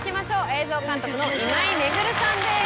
映画監督の今井環さんです。